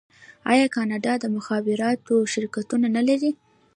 آیا کاناډا د مخابراتو شرکتونه نلري؟